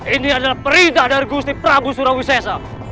ini adalah perida dari gusti prabu surawisesa